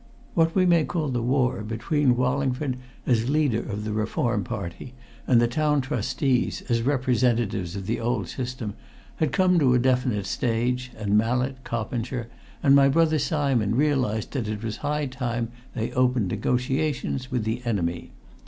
What we may call the war between Wallingford, as leader of the reform party, and the Town Trustees, as representatives of the old system, had come to a definite stage, and Mallett, Coppinger, and my brother, Simon, realized that it was high time they opened negotiations with the enemy.